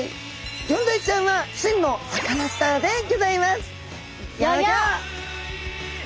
ギョンズイちゃんは真のサカナスターでギョざいます。